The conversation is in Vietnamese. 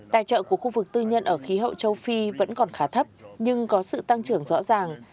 tài trợ của khu vực tư nhân ở khí hậu châu phi vẫn còn khá thấp nhưng có sự tăng trưởng rõ ràng